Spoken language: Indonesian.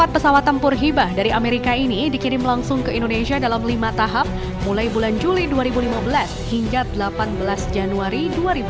empat pesawat tempur hibah dari amerika ini dikirim langsung ke indonesia dalam lima tahap mulai bulan juli dua ribu lima belas hingga delapan belas januari dua ribu delapan belas